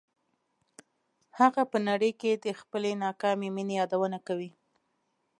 هغه په نړۍ کې د خپلې ناکامې مینې یادونه کوي